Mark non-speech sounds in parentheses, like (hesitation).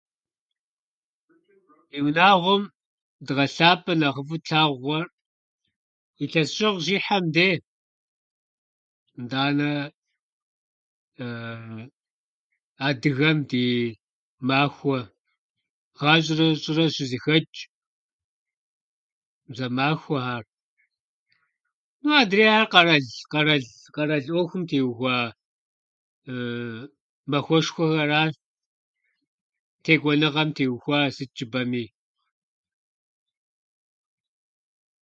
Ди унагъуэм дгъэлъапӏэ нэхъыфӏу тлъагъур илъэсыщӏэр къыщихьэм дей. Итӏанэ (hesitation) адыгэм ди махуэ гъащӏэрэ щӏырэ щызэхэчӏ, мис а махуэхьэр. Ну, адрейхьэр къэрал- къэрал- кърал ӏуэхум теухуа (hesitation) махуэшхуэхэращ текӏуэныгъэм теухуа сыт жыпӏэми.